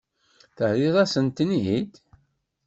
Terriḍ-asent-ten-id?